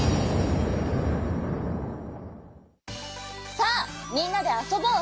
さあみんなであそぼう！